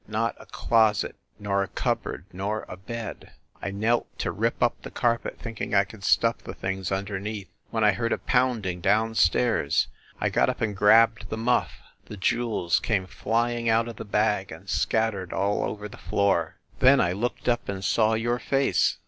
Not a closet, nor a cupboard, nor a bed. ... I knelt to rip up the carpet, think ing I could stuff the things underneath, when I heard a pounding down stairs. ... I got up and grabbed the muff the jewels came flying out of the bag and scattered all over the floor. Then I looked up and saw your face